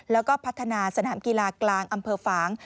แล้วก็พัฒนาสนามกีฬากลางอำเภอฝาง